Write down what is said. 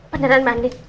beneran mbak andien